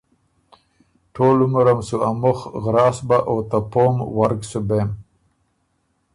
ټول عمرم سُو ا مُخ غراس بۀ۔ او ته پوم ورګ سُو بېم۔